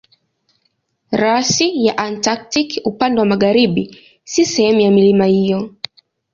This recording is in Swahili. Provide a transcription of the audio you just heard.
Rasi ya Antaktiki upande wa magharibi si sehemu ya milima hiyo.